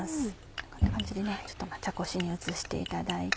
こんな感じで茶こしに移していただいて。